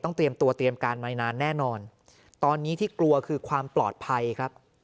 เตรียมตัวเตรียมการมานานแน่นอนตอนนี้ที่กลัวคือความปลอดภัยครับ